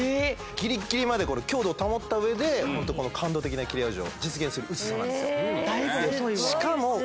ギリギリまでこれ強度を保った上でホントこの感動的な切れ味を実現する薄さなんですよ